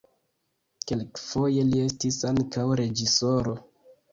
Kelkfoje li estis ankaŭ reĝisoro.